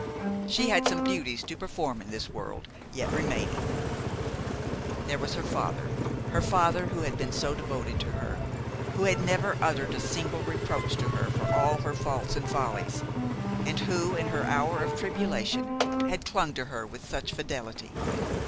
She had some duties to perform in this world yet remaining. There was her father: her father who had been so devoted to her, who had never uttered a single reproach to her for all her faults and follies, and who, in her hour of tribulation, had clung to her with such fidelity.